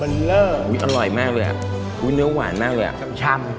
บัลเลิ้ออุ้ยอร่อยมากเลยอ่ะอุ้ยเนื้อหวานมากเลยมีแช้นชำ